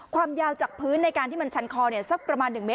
ความยาวจักพื้นในการที่มันชันคอเนี่ยสักประมาณหนึ่งเมตร